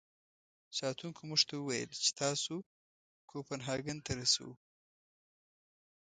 ساتونکو موږ ته و ویل چې تاسو کوپنهاګن ته رسوو.